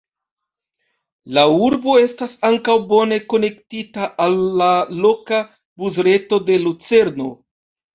La urbo estas ankaŭ bone konektita al la loka busreto de Lucerno.